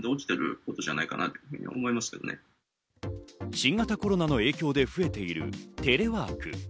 新型コロナの影響で増えているテレワーク。